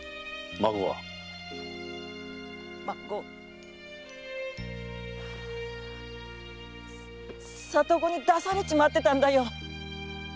孫は里子に出されちまってたんだよ。